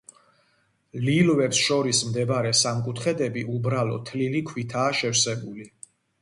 ლილვებს შორის მდებარე სამკუთხედები უბრალო თლილი ქვითაა შევსებული.